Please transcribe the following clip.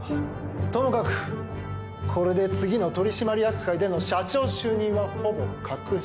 ともかくこれで次の取締役会での社長就任はほぼ確実。